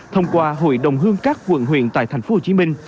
thông qua hội đồng hương các quận huyện tại thành phố hồ chí minh